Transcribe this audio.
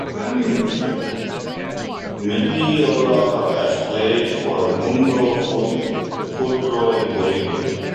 Mendiola has played for Mundo Futuro in Bolivia.